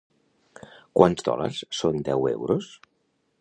Quants dòlars són deu euros?